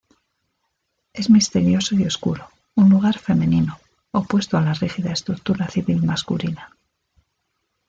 Es misterioso y oscuro, un lugar femenino, opuesto a la rígida estructura civil masculina.